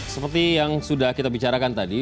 seperti yang sudah kita bicarakan tadi